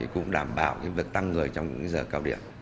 cũng đảm bảo việc tăng người trong những giờ cao điểm